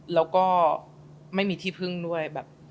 แล้วก็ไม่มีที่พึ่งด้วยแบบ